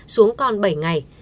xuống còn bảy ngày